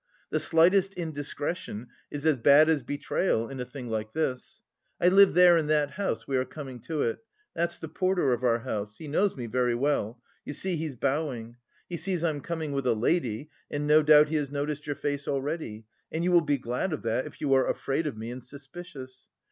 The slightest indiscretion is as bad as betrayal in a thing like this. I live there in that house, we are coming to it. That's the porter of our house he knows me very well; you see, he's bowing; he sees I'm coming with a lady and no doubt he has noticed your face already and you will be glad of that if you are afraid of me and suspicious.